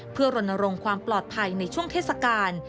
เพื่อรณรงค์ความปลอดภัยในช่วงเทศกาล